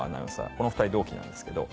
この２人同期なんですけど。